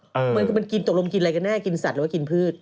มันก็มันกินตกลงกินอะไรกันแน่กินสัตว์หรือว่ากินพืช